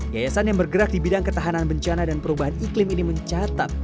yayasan yang bergerak di bidang ketahanan bencana dan perubahan iklim ini mencatat